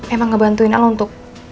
emang ngebantuin kamu untuk